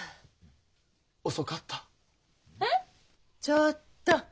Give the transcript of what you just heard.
ちょっと！